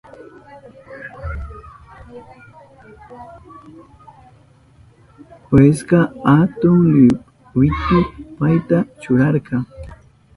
Jueska atun liwipi payta churarka.